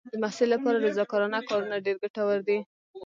د محصل لپاره رضاکارانه کارونه ډېر ګټور دي.